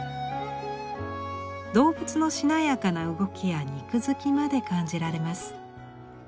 動物のしなやかな動きや肉づきまで感じられます。